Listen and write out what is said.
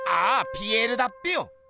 ピエールだっぺよ。